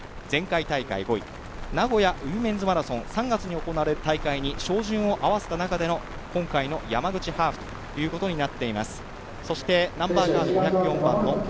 前回大会５位名古屋ウィメンズマラソン３月に行われる大会に照準を合わせた中での今回の山口ハーフということになっています。